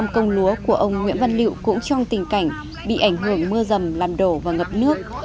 bốn năm công lúa của ông nguyễn văn liệu cũng trong tình cảnh bị ảnh hưởng mưa dầm làm đổ và ngập nước